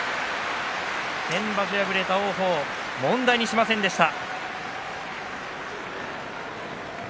先場所敗れた王鵬を問題にしませんでした。